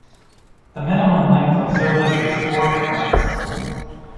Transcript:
The minimum length of service is four terms.